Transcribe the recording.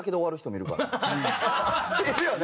いるよね？